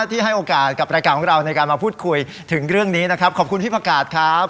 ที่ให้โอกาสกับรายการของเราในการมาพูดคุยถึงเรื่องนี้นะครับขอบคุณพี่ผักกาศครับ